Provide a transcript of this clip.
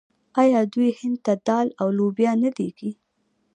آیا دوی هند ته دال او لوبیا نه لیږي؟